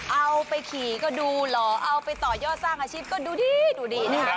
เอาไปขี่ก็ดูหรอเอาไปต่อยอดสร้างอาชีพก็ดูดีดูดีนะคะ